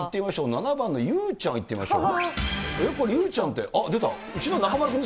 ７番のゆうちゃんいってみましょう。